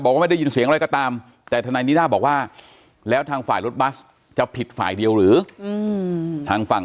การดูแลจะไม่ต้องผิดเลยหรืออย่างไร